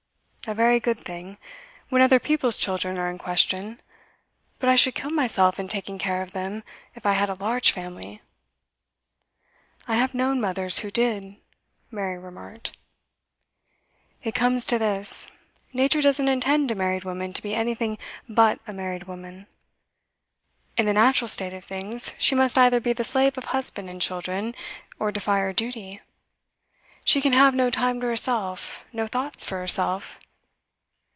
A very good thing when other people's children are in question. But I should kill myself in taking care of them, if I had a large family.' 'I have known mothers who did,' Mary remarked. 'It comes to this. Nature doesn't intend a married woman to be anything but a married woman. In the natural state of things, she must either be the slave of husband and children, or defy her duty. She can have no time to herself, no thoughts for herself.